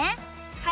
はい！